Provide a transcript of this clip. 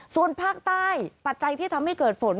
ส่วนภาคใต้ปัจจัยที่ทำให้เกิดฝน